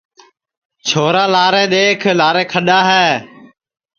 چھورا لارے دؔیکھ لارے کھڈؔا ہے